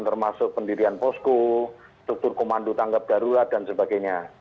termasuk pendirian posko struktur komando tanggap darurat dan sebagainya